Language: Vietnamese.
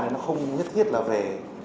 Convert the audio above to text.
nó không nhất thiết là về